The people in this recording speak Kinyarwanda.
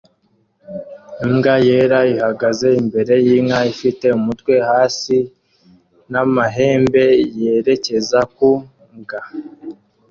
Imbwa yera ihagaze imbere yinka ifite umutwe hasi n'amahembe yerekeza ku mbwa